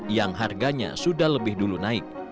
yang harganya sudah lebih dulu naik